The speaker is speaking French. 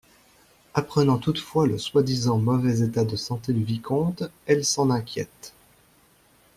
Apprenant toutefois le soi-disant mauvais état de santé du vicomte, elle s’en inquiète.